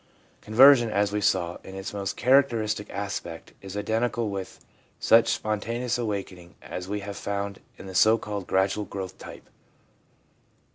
Conversion, as we saw, in its most characteristic aspect is identical with such spontaneous awakening as we have found in the so called 'gradual growth' type.